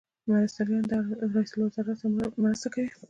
مرستیالان د رئیس الوزرا سره مرسته کوي